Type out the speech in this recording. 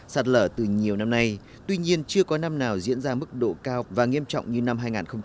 sạt lở từ nhiều năm nay tuy nhiên chưa có năm nào diễn ra mức độ cao và nghiêm trọng như năm hai nghìn một mươi chín